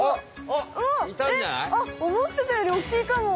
あっ思ってたより大きいかも！